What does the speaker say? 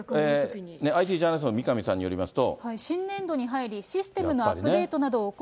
ＩＴジャーナリストの三上さんによりますと。